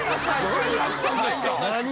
何やったんですか？